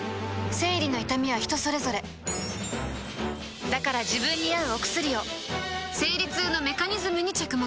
生理の痛みは人それぞれだから自分に合うお薬を生理痛のメカニズムに着目